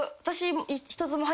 私。